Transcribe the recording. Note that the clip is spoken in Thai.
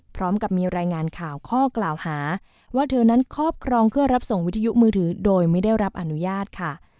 พร้อมกับมีรายงานข่าวข้อกล่าวหาว่าเธอนั้นครอบครองเพื่อรับส่งวิทยุมือถือโดยไม่ได้รับอนุญาตค่ะ